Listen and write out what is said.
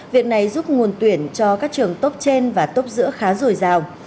việc này giúp nguồn tuyển cho các trường tốt trên và tốt giữa khá rồi rào